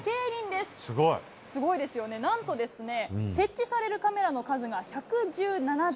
すごいですよね、なんと、設置されたカメラの数が１１７台。